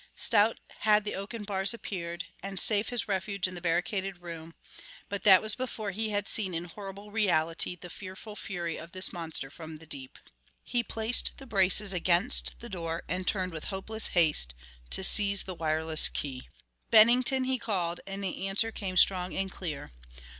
Stout had the oaken bars appeared, and safe his refuge in the barricaded room, but that was before he had seen in horrible reality the fearful fury of this monster from the deep. He placed the braces against the door and turned with hopeless haste to seize the wireless key. "Bennington," he called, and the answer came strong and clear.